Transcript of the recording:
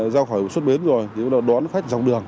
ra khỏi xuất bến rồi đón khách dọc đường